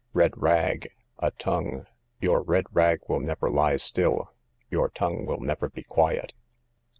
Red rag, a tongue; your red rag will never lie still, your tongue will never be quiet.